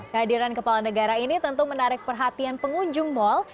kehadiran kepala negara ini tentu menarik perhatian pengunjung mal